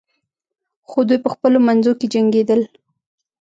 خو دوی په خپلو منځو کې جنګیدل.